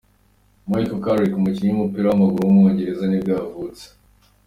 Michael Carrick, umukinnyi w’umupira w’amaguru w’umwongereza nibwo yavutse.